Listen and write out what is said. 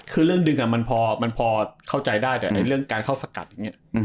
คือเรื่องดึงมันพอเข้าใจได้แต่เรื่องการเข้าสกัดอย่างนี้